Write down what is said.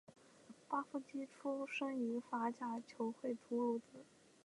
巴夫斯出身于法甲球会图卢兹。